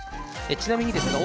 ちなみにですね